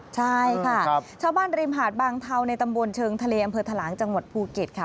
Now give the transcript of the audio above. ใช่ค่ะชาวบ้านริมหาดบางเทาในตำบลเชิงทะเลอำเภอทะลางจังหวัดภูเก็ตค่ะ